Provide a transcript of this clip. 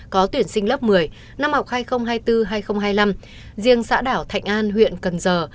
có tuyển sinh lớp một mươi năm học hai nghìn hai mươi bốn hai nghìn hai mươi năm riêng xã đảo thạnh an huyện cần giờ